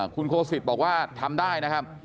คุณโคสิตบอกว่าทำได้นะครับ